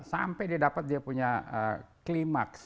sampai dia dapat dia punya klimaks